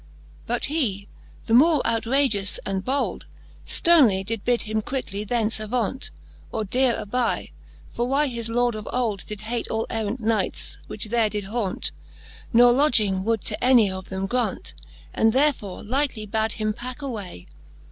But he, the more outrageous and bold, Sternely did bid him quickely thence avaunt, Or deare aby ; for why, his Lord of old Did hate all errant Knights, which there did haunt, Ne lodging would to any of them graunt; And therefore lightly bad him packe away.